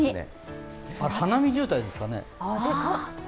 花見渋滞ですかね。